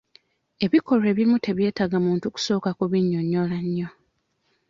Ebikolwa ebimu tebyetaaga muntu kusooka kubinyonnyola nnyo.